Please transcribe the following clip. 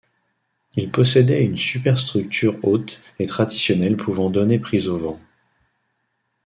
Il possédait une superstructure haute et traditionnelle pouvant donner prise au vent.